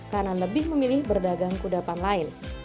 karena lebih memilih berdagang kudapan lain